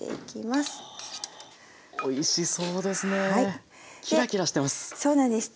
おいしそうですね。